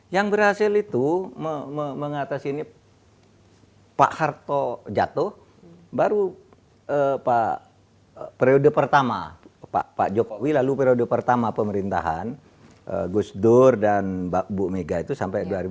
yang berhasil itu mengatasi ini pak harto jatuh baru periode pertama pak jokowi lalu periode pertama pemerintahan gus dur dan bu mega itu sampai dua ribu dua puluh